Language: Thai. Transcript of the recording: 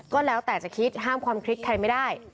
ก็แล้วแต่จะคิดห้ามความคิดใครไม่ได้